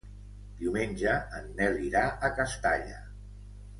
Diumenge en Nel irà a Castalla.